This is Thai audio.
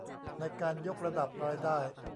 ในการยกระดับรายได้